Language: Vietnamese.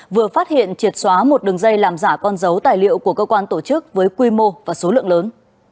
vừa phát hiện triệt xóa một đường dây làm giả con dấu tài liệu của cơ quan tổ chức với quy mô và số lượng lớn